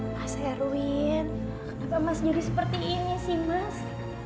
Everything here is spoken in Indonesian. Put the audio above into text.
mas erwin kenapa mas jadi seperti ini sih mas